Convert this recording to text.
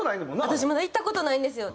私まだ行った事ないんですよ。